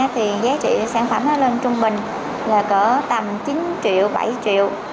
thì giá trị sản phẩm lên trung bình là tầm chín triệu bảy triệu